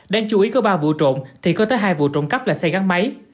đang chú ý có ba vụ trộm thì có tới hai vụ trộm cấp là xe gắn máy